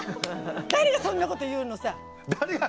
誰がそんなこと言うのさ！